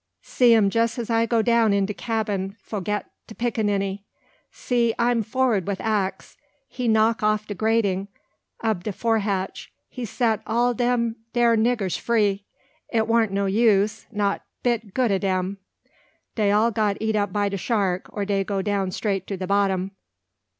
See 'im jess as I go down in de cabin fo' get de pickaninny. See 'im forrard with axe, he knock off de gratin' ob de fore hatch, he set all dem 'ere niggas free. It warn't no use, not bit good o' dem. Dey all got eat up by de shark, or dey go down straight to de bottom.